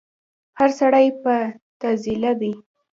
هر سړی په تعضيله دی